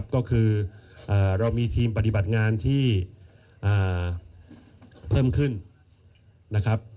ก็คือเรามีทีมปฏิบัติงานที่เพิ่มขึ้นนะครับ